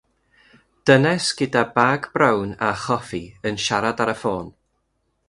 Dynes gyda bag brown a choffi yn siarad ar y ffôn.